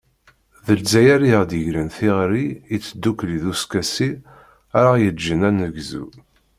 D lezzayer i ɣ-d-yegren tiɣri i tdukli d uskasi ara ɣ-yeǧǧen ad negzu.